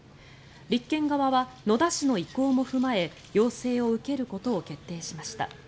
立憲側は野田氏の意向も踏まえ要請を受けることを決定しました。